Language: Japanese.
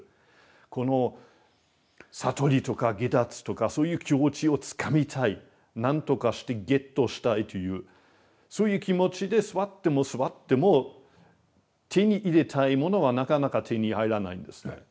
この悟りとか解脱とかそういう境地をつかみたい何とかしてゲットしたいというそういう気持ちで座っても座っても手に入れたいものはなかなか手に入らないんですね。